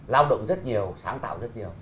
lao động rất nhiều sáng tạo rất nhiều